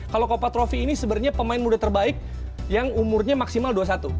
kalau kopat rofi ini sebenarnya pemain muda terbaik yang umurnya maksimal dua puluh satu